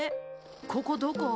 ここどこ？